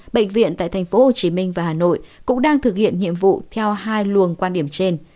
bệnh viện tại tp hcm và hà nội cũng đang thực hiện nhiệm vụ theo hai luồng quan điểm trên